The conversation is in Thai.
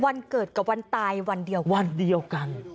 วันเกิดกับวันตายวันเดียวกัน